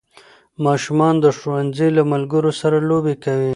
ماشومان د ښوونځي له ملګرو سره لوبې کوي